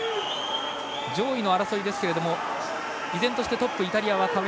上位の争いですが依然としてトップはイタリア。